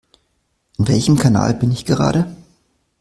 In welchem Kanal bin ich gerade?